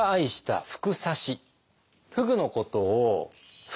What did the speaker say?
「ふぐ」のことを「ふく」。